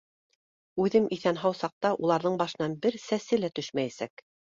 Үҙем иҫән-һау саҡта уларҙың башынан бер сәсе лә төшмәйәсәк!